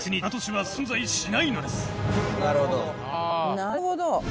なるほど。